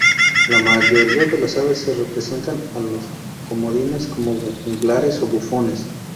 La mayoría de las veces se representa a los comodines como juglares o bufones.